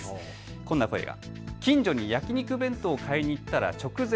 こんな声が。